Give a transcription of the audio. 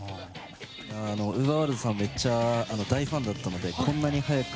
ＵＶＥＲｗｏｒｌｄさんめっちゃ大ファンだったのでこんなに早く。